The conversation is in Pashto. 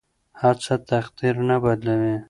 هڅه تقدیر نه بدلوي.